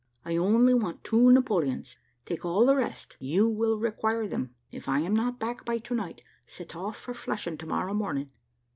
I only want two Napoleons; take all the rest, you will require them. If I am not back by to night, set off for Flushing to morrow morning."